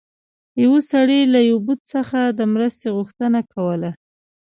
یو سړي له یو بت څخه د مرستې غوښتنه کوله.